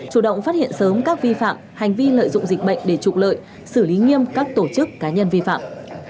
chủ động phát hiện sớm các vi phạm hành vi lợi dụng dịch bệnh để trục lợi xử lý nghiêm các tổ chức cá nhân vi phạm